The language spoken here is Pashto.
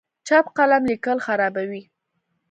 چپ قلم لیکل خرابوي.